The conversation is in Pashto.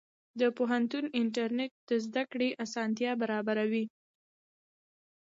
د پوهنتون انټرنېټ د زده کړې اسانتیا برابروي.